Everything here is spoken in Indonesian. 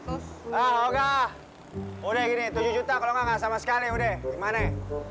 udah gini tujuh juta kalau nggak sama sekali udah